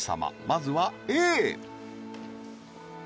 まずはＡ